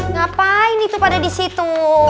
ngapain itu pada di situ